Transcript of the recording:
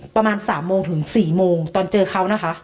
ประมาณ๓โมงถึง๔โมงตอนเจอเขานะคะ